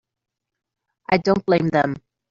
I don't blame them.